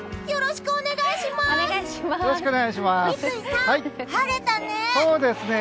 よろしくお願いします！